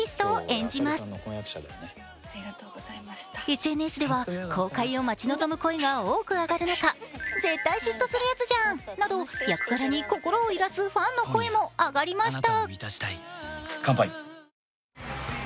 ＳＮＳでは公開を待ち望む声が多く上がる中、役柄に心を揺らすファンの声も上がりました。